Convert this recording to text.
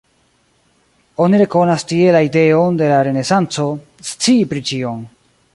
Oni rekonas tie la ideon de la Renesanco, scii pri ĉion.